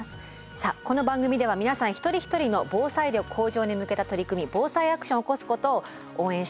さあこの番組では皆さん一人一人の防災力向上に向けた取り組み「ＢＯＳＡＩアクション」を起こすことを応援しています。